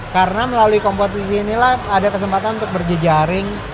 karena melalui kompetisi inilah ada kesempatan untuk berjejaring